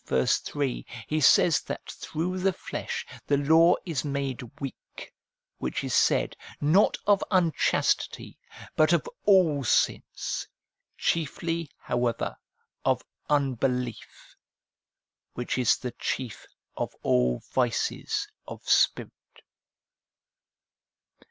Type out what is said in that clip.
3, he says that through the flesh the law is made weak, which is said, not of unchastity, but of all sins, chiefly however of unbelief, which is the chief of all vices of spirit.